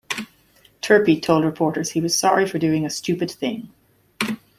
Turpie told reporters he was sorry for doing a "stupid thing".